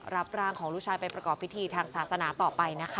รับร่างของลูกชายไปประกอบพิธีทางศาสนาต่อไปนะคะ